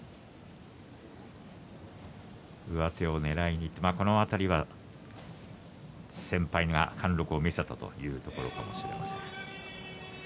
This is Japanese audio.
上手をねらいにいってこの辺りは先輩が貫禄を見せたというところかもしれません。